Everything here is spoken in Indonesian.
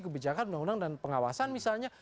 kebijakan undang undang dan pengawasan misalnya